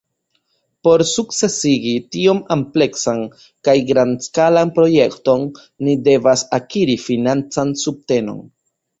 Por sukcesigi tiom ampleksan kaj grandskalan projekton, ni devas akiri financan subtenon.